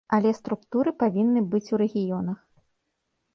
Але структуры павінны быць у рэгіёнах.